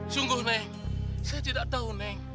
sungguh neng saya tidak tahu neng